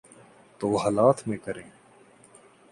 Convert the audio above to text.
تو حالات میں کریں۔